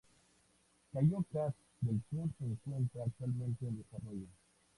Cayo Cat del Sur se encuentra actualmente en desarrollo.